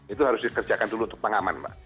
itu harus dikerjakan dulu untuk pengaman mbak